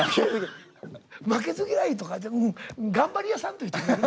負けず嫌いとかてうん頑張り屋さんと言うてくれる？